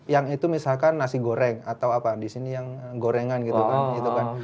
yang itu misalkan nasi goreng atau apa disini yang gorengan gitu kan